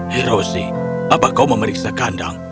hiroshi apa kau memeriksa kandang